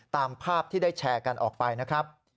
ตามภาพที่ได้แชร์กันออกไปนะครับ